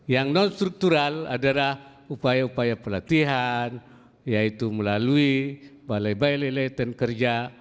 yang non struktural adalah upaya upaya pelatihan yaitu melalui balai balai latihan kerja